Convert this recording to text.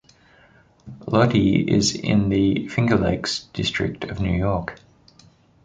Lodi is in the Finger Lakes District of New York.